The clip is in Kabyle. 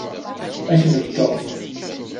Ad k-beddeɣ.